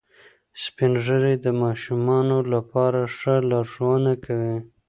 سپین ږیری د ماشومانو لپاره ښه لارښوونه کوي